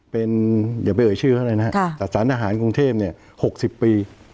เป็นอย่าไปเอ่ยชื่อเขาเลยนะฮะแต่สารทหารกรุงเทพ๖๐ปี